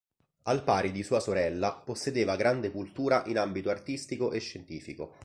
Al pari di sua sorella, possedeva grande cultura in ambito artistico e scientifico.